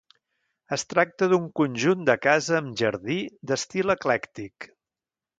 Es tracta d'un conjunt de casa amb jardí, d'estil eclèctic.